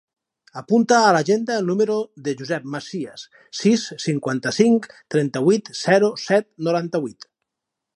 Apunta a l'agenda el número del Josep Macias: sis, cinquanta-cinc, trenta-vuit, zero, set, noranta-vuit.